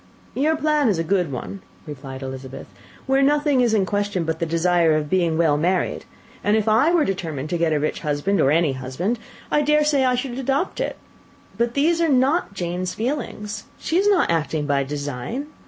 "Your plan is a good one," replied Elizabeth, "where nothing is in question but the desire of being well married; and if I were determined to get a rich husband, or any husband, I dare say I should adopt it. But these are not Jane's feelings; she is not acting by design.